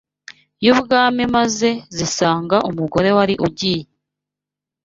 y’ubwami maze zisanga umugore wari ugiye